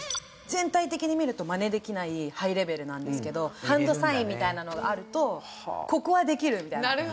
全体的に見るとマネできないハイレベルなんですけどハンドサインみたいなのがあるとここはできるみたいな。